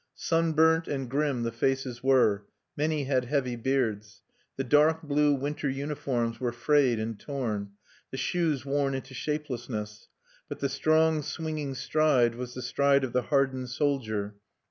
Sunburnt and grim the faces were; many had heavy beards. The dark blue winter uniforms were frayed and torn, the shoes worn into shapelessness; but the strong, swinging stride was the stride of the hardened soldier.